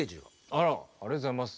あらありがとうございます。